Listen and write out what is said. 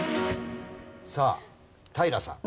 さあ平さん。